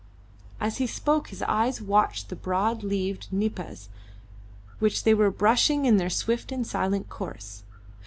As he spoke his eyes watched the broad leaved nipas which they were brushing in their swift and silent course.